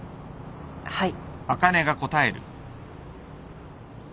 はい。